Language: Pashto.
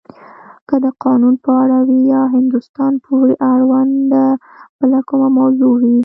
که د قانون په اړه وی یا هندوستان پورې اړونده بله کومه موضوع وی.